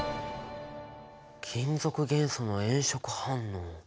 金属元素の炎色反応。